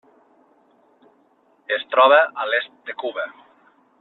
Es troba a l'est de Cuba.